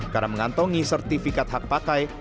karena mengantongi sertifikat hak pakai